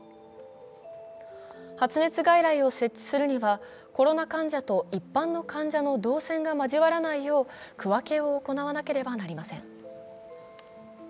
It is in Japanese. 発熱外来を設置するには、コロナ患者と一般の患者の動線が交わらないよう区分けを行わなければなりません。